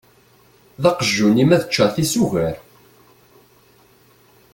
D aqjun-im ad ččeɣ tisugar!?